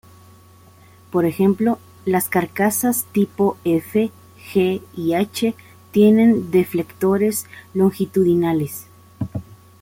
Por ejemplo, las carcasas tipo F, G y H tienen deflectores longitudinales.